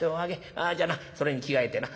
ああじゃなそれに着替えてな。